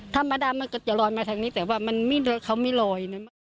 ธรรมดามันก็จะลอยมาทางนี้แต่ว่ามันเขาไม่ลอยนะ